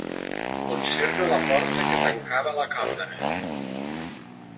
Conserva la porta que tancava la cambra.